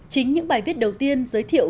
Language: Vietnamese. chính những bài viết đầu tiên giới thiệu